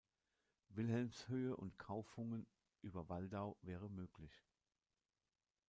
Wilhelmshöhe und Kaufungen über Waldau wäre möglich.